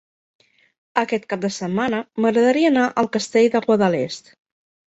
Aquest cap de setmana m'agradaria anar al Castell de Guadalest.